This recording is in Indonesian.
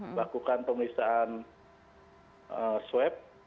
melakukan pemeriksaan swab